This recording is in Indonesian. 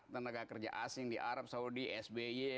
tenaga kerja asing di arab saudi sby